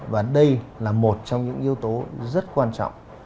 và đây là một trong những yếu tố rất quan trọng